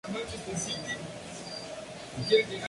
Nunca cuenta el dinero cuando está sentado en la mesa.